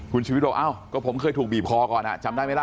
คุณชุวิตก็บอกก็ผมเคยถูกบีบคอก่อนอ่ะจำได้ไหมล่ะ